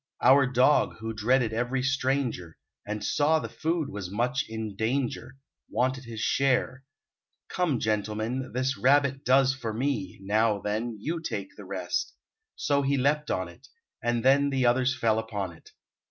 Our Dog, who dreaded every stranger, And saw the food was much in danger, Wanted his share. "Come, gentlemen, This rabbit does for me; now, then, You take the rest!" so he leaped on it, And then the others fell upon it.